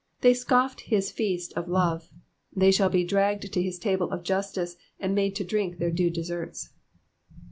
They scoffed his feast of love ; they shall be dragged to his table of justice, and made to drink their due deserts.